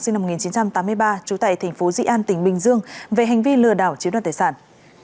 sinh năm một nghìn chín trăm tám mươi ba trú tại thành phố dị an tỉnh bình dương về hành vi lừa đảo chiếm đoàn tài sản